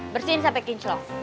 bersihin sampe kinclok